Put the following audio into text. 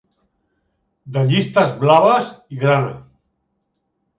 De llistes blaves i grana.